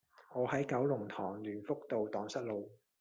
我喺九龍塘聯福道盪失路